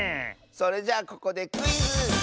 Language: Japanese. それじゃここでクイズ！